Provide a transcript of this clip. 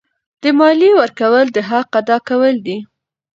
د مالیې ورکول د حق ادا کول دي.